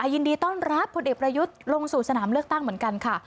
ยินดีต้อนรับผลเอกประยุทธ์ลงสู่สนามเลือกตั้งเหมือนกันค่ะ